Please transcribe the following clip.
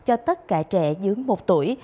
cho tất cả trẻ dưới một tuổi